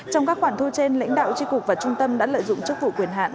trong các khoản thu trên lãnh đạo tri cục và trung tâm đã lợi dụng chức vụ quyền hạn